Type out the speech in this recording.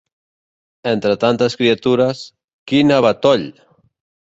Entre tantes criatures, quin abatoll!